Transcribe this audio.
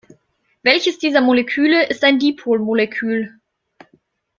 Welches dieser Moleküle ist ein Dipolmolekül?